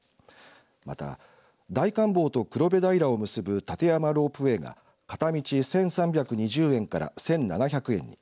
また、大観峰と黒部平を結ぶ立山ロープウエーが片道１３２０円から１７００円に。